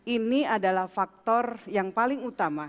ini adalah faktor yang paling utama